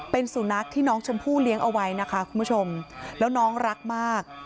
เป็นสุนัขที่น้องชมพู่เลี้ยงเอาไว้นะคะคุณผู้ชมแล้วน้องรักมาก